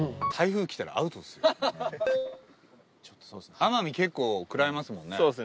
奄美結構食らいますもんね？